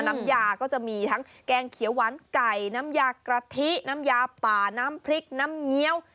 น้ำยาก็จะมีทั้งแกงเขียวหวานไก่น้ำยากะทิน้ำยาป่าน้ำพริกน้ำเงี้ยว